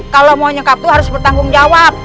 kalau mau nyekap itu harus bertanggung jawab